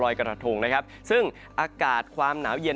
เท่ากับช่วงสัปดาห์วันรอยกระทรงนะครับซึ่งอากาศความหนาวเย็น